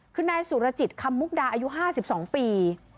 คือนายสุรจิตคำมุกดาอายุ๕๒ปี